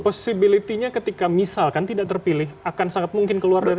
possibility nya ketika misalkan tidak terpilih akan sangat mungkin keluar dari